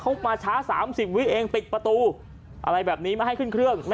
เค้าบอกว่าเขามาช้า๓๐สิปมิเมตรุอย่างนั้นติดประตูอะไรแบบนี้มาให้ขึ้นเครื่อง